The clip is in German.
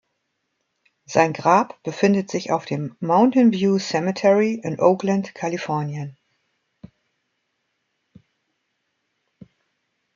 Sein Grab befindet sich auf dem Mountain View Cemetery in Oakland, Kalifornien.